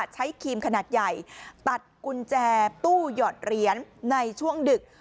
ครีมขนาดใหญ่ตัดกุญแจตู้หยอดเหรียญในช่วงดึก